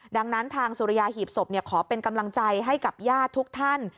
ดังนั้นทางสุริยาหีบศพขอเป็นกำลังใจให้กับญาติทุกท่าน